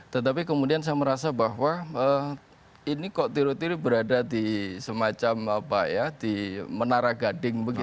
tetapi kemudian saya merasa bahwa ini kok teori teori berada di semacam apa ya di menara gading begitu